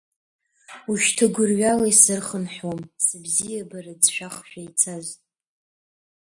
Ушьҭа гәырҩала исзырхынҳәуам, сыбзиабара ӡшәахшәа ицаз.